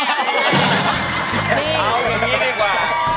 เอาอย่างนี้ดีกว่า